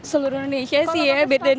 seluruh indonesia sih ya